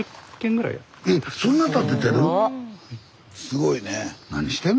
すごいね。